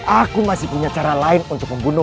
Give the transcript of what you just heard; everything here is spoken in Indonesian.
aku masih punya cara lain untuk membunuh